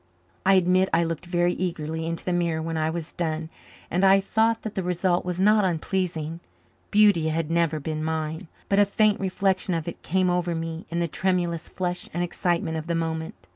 I admit I looked very eagerly into the mirror when I was done, and I thought that the result was not unpleasing. Beauty had never been mine, but a faint reflection of it came over me in the tremulous flush and excitement of the moment.